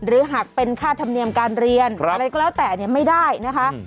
หรือหักเป็นค่าธรรมเนียมการเรียนครับอะไรก็แล้วแต่เนี่ยไม่ได้นะคะอืม